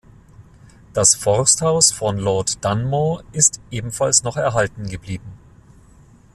Das Forsthaus von Lord Dunmore ist ebenfalls noch erhalten geblieben.